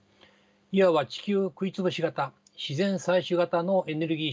いわば地球食い潰し型自然採取型のエネルギー